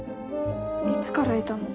いつからいたの？